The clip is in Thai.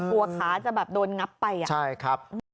กลัวขาจะโดนงับไปอ่ะใช่ครับ